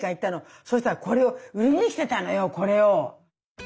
そしたらこれを売りに来てたのよこれを。